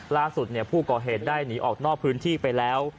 ล่าสุดผู้ก่อเหตุได้หนีออกนอกพื้นที่ไปแล้ว